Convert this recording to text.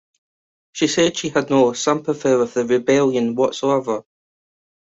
She said she had no sympathy with the rebellion whatsoever.